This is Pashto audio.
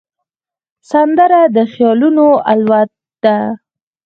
سندره د خیالونو الوت ده